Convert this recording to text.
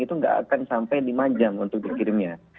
itu tidak akan sampai lima jam untuk dikirimnya